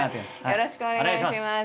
よろしくお願いします。